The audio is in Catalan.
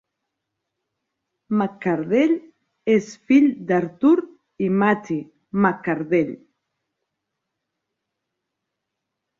McCardell és fill d'Arthur i Mattie McCardell.